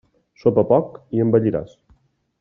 Sopa poc i envelliràs.